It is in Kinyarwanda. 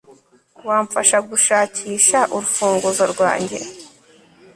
wamfasha gushakisha urufunguzo rwanjye